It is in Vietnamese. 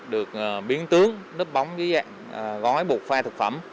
được biến tướng nứt bóng với dạng gói bột pha thực phẩm